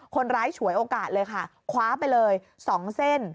ฉวยโอกาสเลยค่ะคว้าไปเลย๒เส้น